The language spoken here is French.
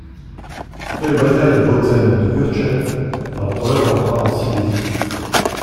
Après les batailles de Bautzen et de Wurtchen, l'empereur entra en Silésie.